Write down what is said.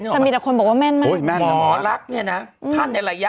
สมียตะคนบอกว่าแม่นมาก